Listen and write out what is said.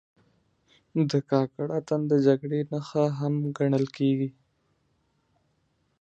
د کاکړ اتن د جګړې نښه هم ګڼل کېږي.